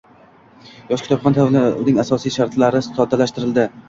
“Yosh kitobxon” tanlovining asosiy shartlari soddalashtirilding